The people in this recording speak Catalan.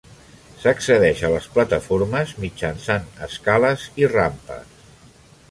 S'accedeix a les plataformes mitjançant escales i rampes.